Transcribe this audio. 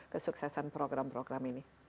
kesuksesan program program ini